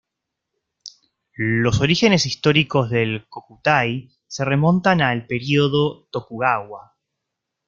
Los orígenes históricos del "Kokutai" se remontan a el Período Tokugawa.